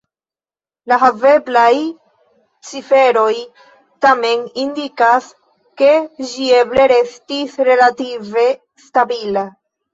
La haveblaj ciferoj tamen indikas, ke ĝi eble restis relative stabila.